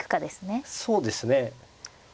そうですね。